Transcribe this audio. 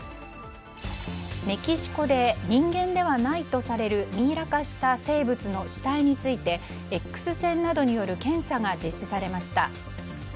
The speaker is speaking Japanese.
メキシコで人間ではないとされるミイラ化した生物の死体についてＸ線などによる検査が実施されました。